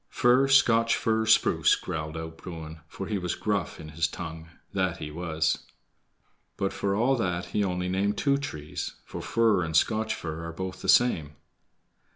"FIR, SCOTCH FIR, SPRUCE," growled out Bruin, for he was gruff in his tongue, that he was. But for all that he only named two trees, for fir and Scotch fir are both the same.